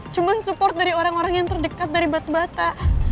cuma support dari orang orang yang terdekat dari batu bata